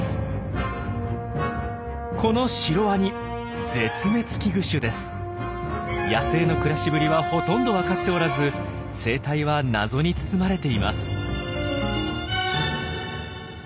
このシロワニ野生の暮らしぶりはほとんどわかっておらず生態は謎に包まれています。